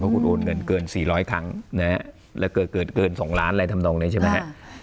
เพราะคุณโอนเงินเกิน๔๐๐ทั้งและเกิดเกิน๒ล้านอะไรใช่ไหม